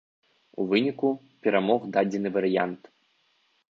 У выніку перамог дадзены варыянт.